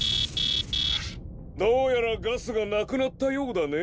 どうやらガスがなくなったようだね。